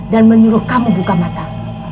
dan menyuruh kamu buka mata